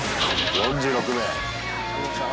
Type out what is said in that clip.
４６名。